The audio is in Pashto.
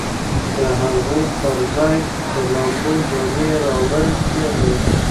د هغو پر ځای د لامبو جامې راوړل کیږي